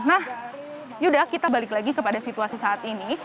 nah yuda kita balik lagi kepada situasi saat ini